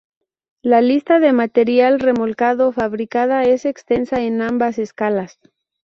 La lista de material remolcado fabricada es extensa en ambas escalas.